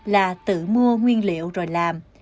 là tự mua nguyên liệu rồi làm